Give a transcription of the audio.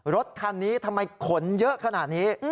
รถคันนี้ทำไมขนเยอะขนาดนี้